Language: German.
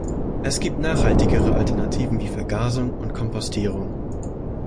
Es gibt nachhaltigere Alternativen wie Vergasung und Kompostierung.